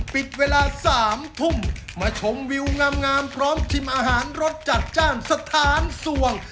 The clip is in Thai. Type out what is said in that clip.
ปิดเวลา๓ทุ่มมาชมวิวงามพร้อมชิมอาหารรสจัดจ้านสถานส่วง